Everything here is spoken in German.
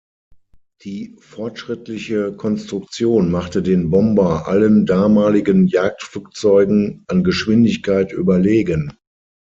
Die fortschrittliche Konstruktion machte den Bomber allen damaligen Jagdflugzeugen an Geschwindigkeit überlegen.